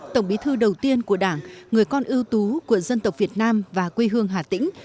tổng bí thư đầu tiên của đảng người con ưu tú của dân tộc việt nam và quê hương hà tĩnh